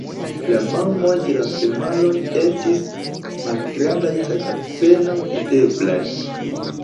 La mamoj de la femaloj estis malgrandaj kaj apenaŭ videblaj.